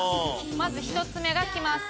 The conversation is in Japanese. まず１つ目が来ます。